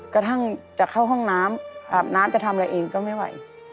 กระทั่งจะเข้าห้องน้ำอาบน้ำจะทำอะไรเองก็ไม่ไหว